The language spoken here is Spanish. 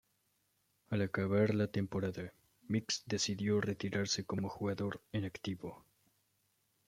Al acabar la temporada, Mix decidió retirarse como jugador en activo.